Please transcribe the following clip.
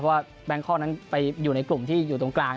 เพราะว่าแบงค์คอกนั้นไปอยู่ในกลุ่มที่อยู่ตรงกลาง